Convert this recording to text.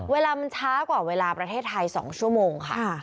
เวลามันช้ากว่าเวลาประเทศไทย๒ชั่วโมงค่ะ